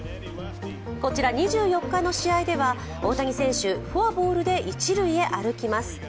こちら２４日の試合では大谷選手、フォアボールで一塁へ歩きます。